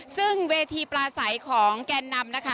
ซึ่งเวทีปลาใสของแกนนำนะคะ